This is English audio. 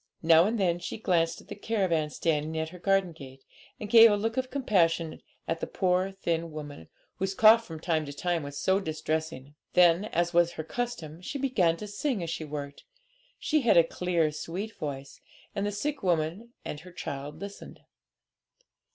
Now and then she glanced at the caravan standing at her garden gate, and gave a look of compassion at the poor thin woman, whose cough from time to time was so distressing. Then, as was her custom, she began to sing as she worked; she had a clear, sweet voice, and the sick woman and her child listened.